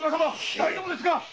大丈夫ですか！？